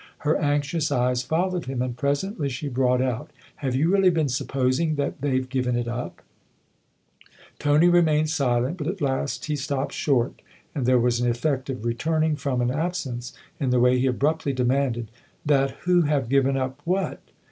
Her anxious eyes followed him, and presently she brought out: " Have you really been supposing that they've given it up ?" Tony remained silent; but at last he stopped short, and there was an effect of returning from an absence in the way he abruptly demanded :" That who have given up what